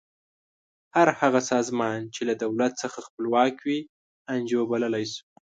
هر هغه سازمان چې له دولت څخه خپلواک وي انجو بللی شو.